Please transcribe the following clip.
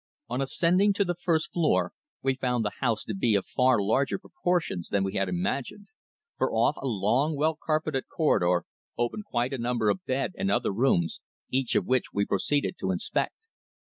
On ascending to the first floor we found the house to be of far larger proportions than we had imagined, for off a long, well carpeted corridor opened quite a number of bed and other rooms, each of which we proceeded to inspect.